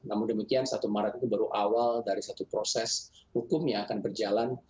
namun demikian satu maret itu baru awal dari satu proses hukum yang akan berjalan